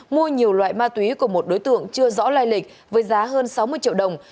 mua nhiều loại ma túy của một đối tượng chưa rõ lai lịch với giá hơn sáu mươi triệu đồng